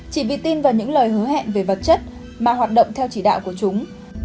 chỉ bị tin vào những lời hứa hẹn về vật chất mà hoạt động theo chỉ đạo của chúng